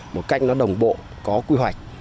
một cách nó đồng bộ có quy hoạch